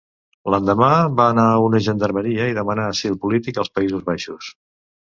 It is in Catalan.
L'endemà, va anar a una gendarmeria i demanà asil polític als Països Baixos.